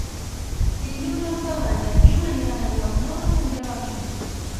Dilluns en Ferran i en Guim aniran a Llocnou de Sant Jeroni.